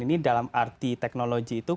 ini dalam arti teknologi itu